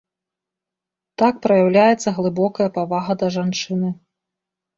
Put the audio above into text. Так праяўляецца глыбокая павага да жанчыны.